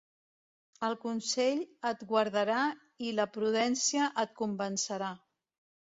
El consell et guardarà i la prudència et convencerà.